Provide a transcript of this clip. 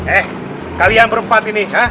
eh kalian berempat ini